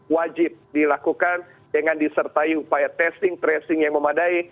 wajib dilakukan dengan disertai upaya testing tracing yang memadai